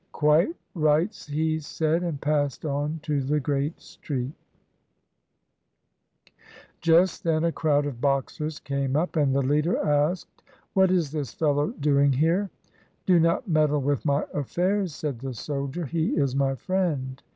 "Quite right," he said, and passed on to the Great Street. 246 THE ADVENTURES OF YAO CHEN YUAN Just then a crowd of Boxers came up, and the leader asked, — "What is this fellow doing here?" "Do not meddle with my affairs," said the soldier, " he is my friend."